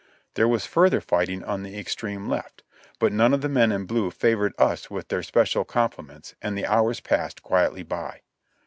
There was further fighting on the extreme left, but none of the men in blue favored us with their especial compliments, and the hours passed quietly by.